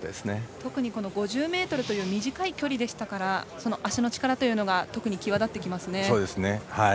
特に５０ｍという短い距離でしたから足の力というのが特に際立ってきますね。